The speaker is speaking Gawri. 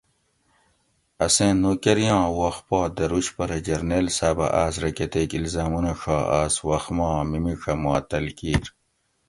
اسیں نوکریاں وخت پا دروش پرہ جرنیل صاۤبہ آس رہ کتیک الزامونہ ڛا آس وخت ما میمیڄہ معطل کیر